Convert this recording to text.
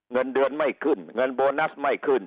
เงินเดือนไม่ขึ้นเงินโบนัสไม่ขึ้น